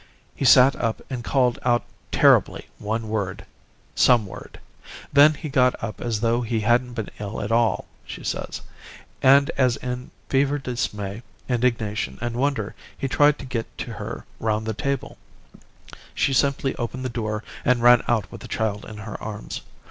"He sat up and called out terribly one word some word. Then he got up as though he hadn't been ill at all, she says. And as in fevered dismay, indignation, and wonder he tried to get to her round the table, she simply opened the door and ran out with the child in her arms.